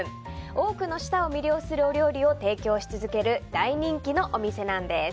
多くの舌を魅了するお料理を提供し続ける大人気のお店なんです。